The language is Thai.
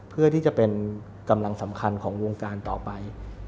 เพื่อที่จะเป็นกำลังสำคัญของวงการต่อไป